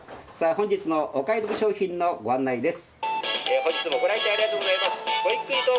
本日のお買い得商品のご案内です。